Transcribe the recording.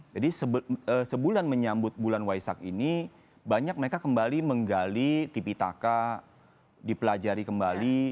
jadi sebulan menyambut bulan waisak ini banyak mereka kembali menggali tipi taka dipelajari kembali